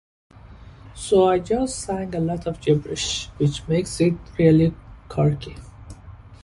So I just sang a lot of gibberish, which makes it really quirky.